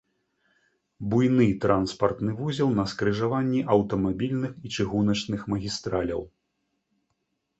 Буйны транспартны вузел на скрыжаванні аўтамабільных і чыгуначных магістраляў.